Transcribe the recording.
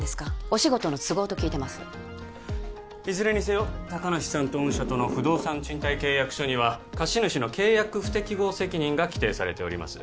お仕事の都合と聞いてますいずれにせよ高梨さんと御社との不動産賃貸契約書には貸主の契約不適合責任が規定されております